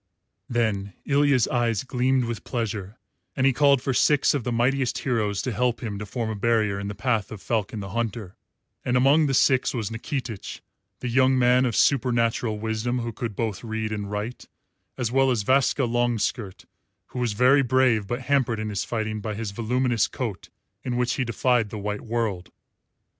Then Ilya's eyes gleamed with pleasure, and he called for six of the mightiest heroes to help him to form a barrier in the path of Falcon the Hunter; and among the six was Nikitich, the young man of supernatural wisdom who could both read and write, as well as Vaska Longskirt, who was very brave but hampered in his fighting by his voluminous coat in which he defied the white world.